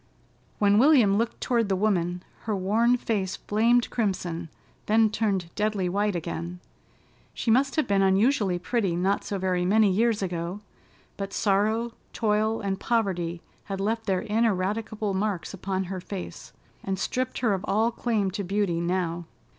When William looked toward the woman her worn face flamed crimson, then turned deadly white again. She must have been unusually pretty not so very many years ago, but sorrow, toil and poverty had left their ineradicable marks upon her face and stripped her of all claim to beauty now.